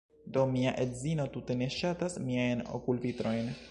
Do, mia edzino tute ne ŝatas miajn okulvitrojn